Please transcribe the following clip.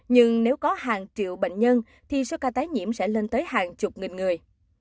nhưng nếu có hàng triệu bệnh nhân thì số ca tái nhiễm sẽ lên tới hàng chục nghìn người